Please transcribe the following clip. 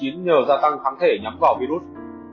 nhờ gia tăng kháng thể nhắm vào virus